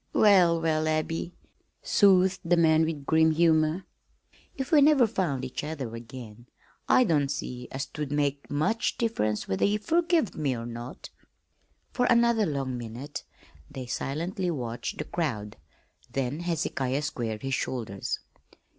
"Well, well, Abby," soothed the man with grim humor, "if we never found each other ag'in, I don't see as 'twould make much diff'rence whether ye furgived me or not!" For another long minute they silently watched the crowd. Then Hezekiah squared his shoulders.